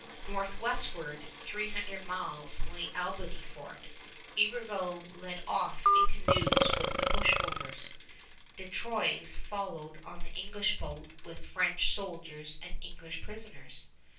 Northwestward three hundred miles lay Albany Fort. Iberville led off in canoes with his bushrovers. De Troyes followed on the English boat with French soldiers and English prisoners.